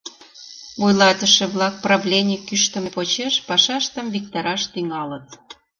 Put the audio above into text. Вуйлатыше-влак правлений кӱштымӧ почеш пашаштым виктараш тӱҥалыт.